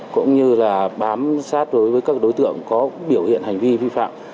cũng như là bám sát đối với các đối tượng có biểu hiện hành vi vi phạm